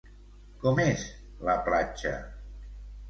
Com és la platja?